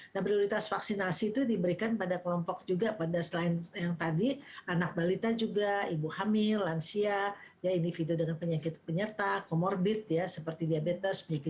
nah prioritas vaksinasi itu diberikan pada kelompok juga pada selain yang tadi anak balita juga ibu hamil lansia individu dengan penyakit penyerta comorbid seperti diabetes